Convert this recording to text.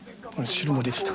汁も出てきた。